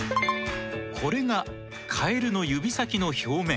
これがカエルの指先の表面。